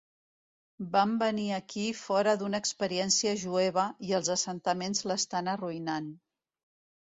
Vam venir aquí fora d'una experiència jueva, i els assentaments l'estan arruïnant.